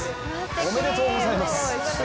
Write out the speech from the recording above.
おめでとうございます！